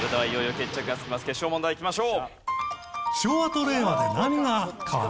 決勝問題いきましょう。